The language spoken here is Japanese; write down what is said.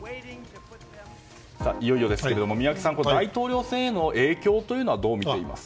いよいよですけれども、宮家さん大統領選への影響というのはどうみていますか？